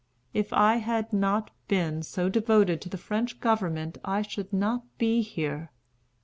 If I had not been so devoted to the French government I should not be here.